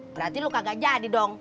berarti lo kagak jadi dong